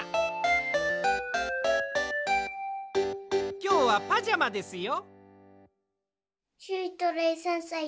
きょうはパジャマですよ。